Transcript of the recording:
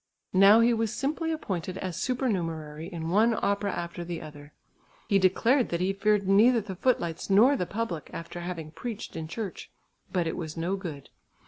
Now he was simply appointed as supernumerary in one opera after the other. He declared that he feared neither the footlights nor the public after having preached in church, but it was no good.